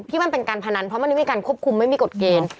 มันเป็นการพนันเพราะมันไม่มีการควบคุมไม่มีกฎเกณฑ์